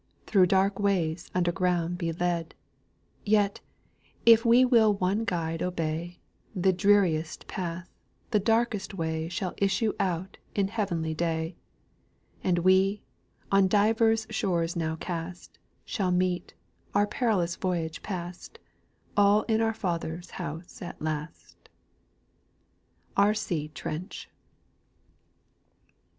Thro' dark ways underground be led; Yet, if we will one Guide obey, The dreariest path, the darkest way Shall issue out in heavenly day; And we, on divers shores now cast, Shall meet, our perilous voyage past, All in our Father's house at last!" R. C. TRENCH.